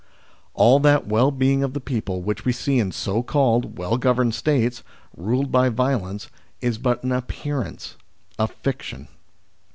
All that well being of the people which we see in so called well governed States, ruled by violence, is but an appearance a fiction.